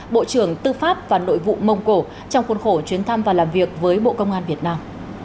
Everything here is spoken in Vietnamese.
bộ trưởng tư pháp và nội vụ mông cổ trong khuôn khổ chuyến thăm và làm việc với bộ công an việt nam